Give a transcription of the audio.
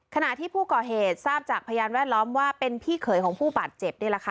ขณะที่ผู้ก่อเหตุทราบจากพยานแวดล้อมว่าเป็นพี่เขยของผู้บาดเจ็บนี่แหละค่ะ